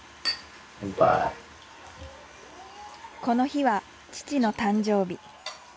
この日は父の誕生日。